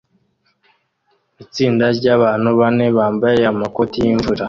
Itsinda ryabantu bane bambaye amakoti yimvura